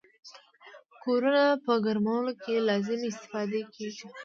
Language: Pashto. کورونو په ګرمولو کې لازمې استفادې کیږي.